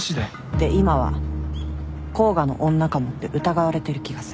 で今は甲賀の女かもって疑われてる気がする。